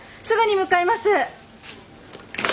すぐに向かいます。